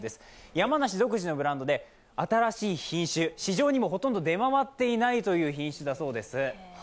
山梨独自のブランドで新しい品種市場にもほとんど出回っていない品種だそうです。